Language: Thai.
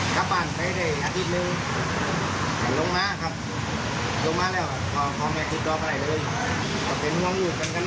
ขอแม่คุณก็ไปเลยขอเป็นหวังอยู่กันกันเนอะ